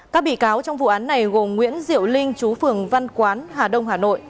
các bị cáo trong vụ án này gồm nguyễn diệu linh chú phường văn quán hà đông hà nội